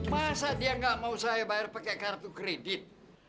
masa dia nggak mau saya bayar pakai kartu kredit